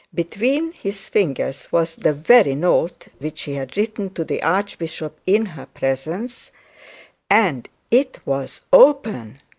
Between his fingers was the very note which he had written to the archbishop in her presence and it was open!